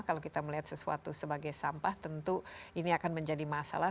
kalau kita melihat sesuatu sebagai sampah tentu ini akan menjadi masalah